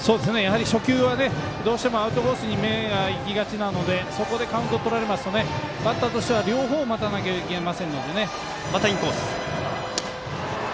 初球はどうしてもアウトコースに目がいきがちなのでそこでカウントをとられますとバッターとしては両方を待たなければいけませんのでね。